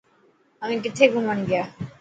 اوهين کٿي گھمڻ گيا.